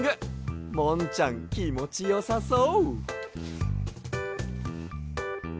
もんちゃんきもちよさそう。